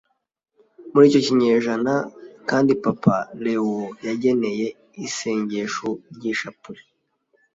muri icyo kinyejana kandi papa lewo yageneye isengesho ry’ishapule